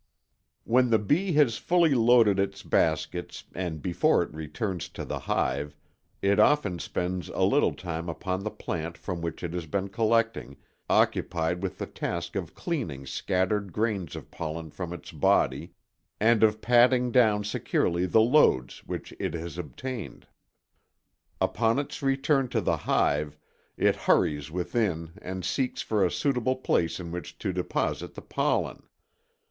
When the bee has fully loaded its baskets and before it returns to the hive it often spends a little time upon the plant from which it has been collecting, occupied with the task of cleaning scattered grains of pollen from its body and of patting down securely the loads which it has obtained. Upon its return to the hive it hurries within and seeks for a suitable place in which to deposit the pollen.